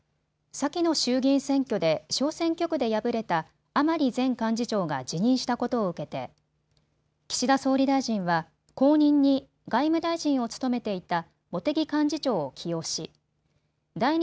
先の衆議院選挙で小選挙区で敗れた甘利前幹事長が辞任したことを受けて岸田総理大臣は後任に外務大臣を務めていた茂木幹事長を起用し第２